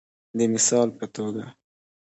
د مثال په توګه